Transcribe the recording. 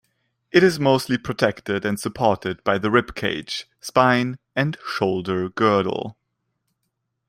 It is mostly protected and supported by the rib cage, spine, and shoulder girdle.